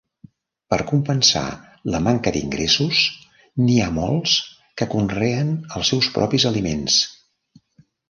Per compensar la manca d'ingressos, n'hi ha molts que conreen els seus propis aliments.